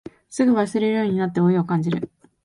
すぐに忘れるようになって老いを感じる